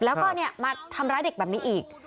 แล้วก็มาทำร้ายเด็กแบบนี้อีก